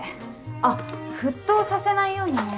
あっ沸騰させないようにね。